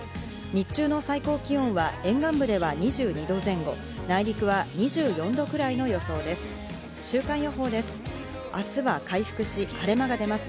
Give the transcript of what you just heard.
日中の最高気温は沿岸部では２２度前後、内陸は２４度くらいの予想です。